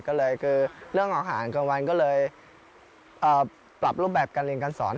ก็เลยคือเรื่องของอาหารกลางวันก็เลยปรับรูปแบบการเรียนการสอน